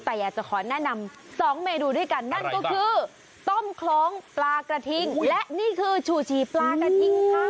ตอนนี้ถ้าใครมาก็จะขอแนะนำ๒เมนูด้วยกันนั่นก็คือต้มโครงปลากระทิงและนี่คือฉูฉีปลากระทิงค่ะ